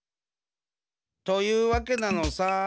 というわけなのさ。